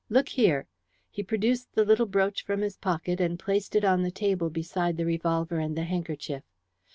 Look here!" He produced the little brooch from his pocket and placed it on the table beside the revolver and the handkerchief.